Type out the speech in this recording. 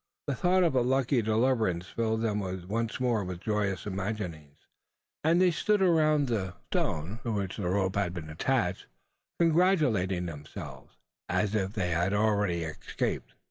The thought of such a lucky deliverance filled them once more with joyous imaginings; and they stood around the stone, to which the rope had been attached congratulating themselves, as if they had already escaped.